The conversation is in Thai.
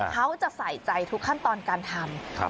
เขาจะใส่ใจทุกขั้นตอนการทำ